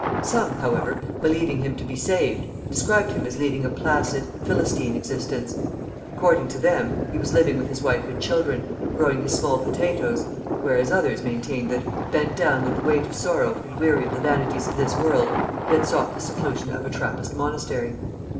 Some, however, believing him to be saved, described him as leading a placid, Philistine existence. According to them, he was living with his wife and children, growing his small potatoes; whereas others maintained that, bent down with the weight of sorrow and weary of the vanities of this world, he had sought the seclusion of a Trappist monastery.